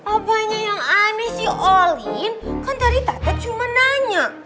apanya yang aneh sih olin kan tadi tata cuma nanya